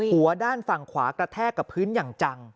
หัวด้านฝั่งขวากระแทกกับพื้นอย่างจัง